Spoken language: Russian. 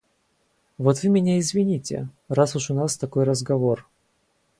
Вот Вы меня извините, раз уж у нас такой разговор.